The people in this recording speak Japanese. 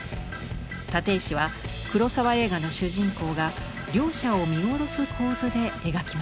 立石は黒澤映画の主人公が両者を見下ろす構図で描きました。